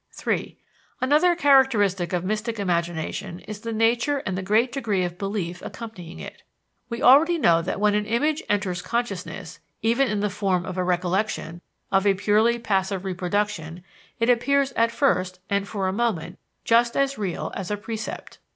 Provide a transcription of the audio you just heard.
(3) Another characteristic of mystic imagination is the nature and the great degree of belief accompanying it. We already know that when an image enters consciousness, even in the form of a recollection, of a purely passive reproduction, it appears at first, and for a moment, just as real as a percept.